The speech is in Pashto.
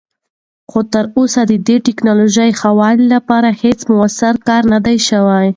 خو تراوسه د دې تکنالوژۍ ښه والي لپاره هیڅ مؤثر کار نه دی شوی.